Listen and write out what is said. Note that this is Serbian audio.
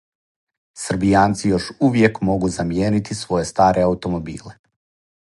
Србијанци још увијек могу замијенити своје старе аутомобиле.